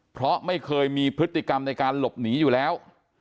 เพราะไม่เคยมีพฤติกรรมในการหลบหนีอยู่แล้ว